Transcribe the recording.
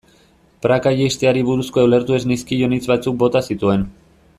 Praka jaisteari buruzko ulertu ez nizkion hitz batzuk bota zituen.